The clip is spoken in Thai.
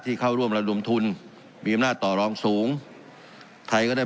เข้าร่วมระดมทุนมีอำนาจต่อรองสูงไทยก็ได้